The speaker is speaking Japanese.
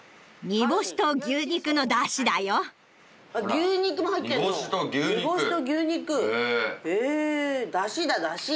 煮干しと牛肉。へだしだだし。ね。